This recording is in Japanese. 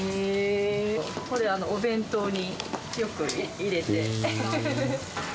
これ、お弁当によく入れて。